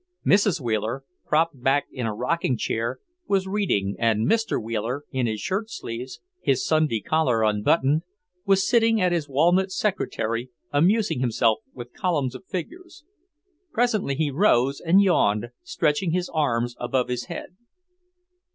Mrs. Wheeler, propped back in a rocking chair, was reading, and Mr. Wheeler, in his shirt sleeves, his Sunday collar unbuttoned, was sitting at his walnut secretary, amusing himself with columns of figures. Presently he rose and yawned, stretching his arms above his head.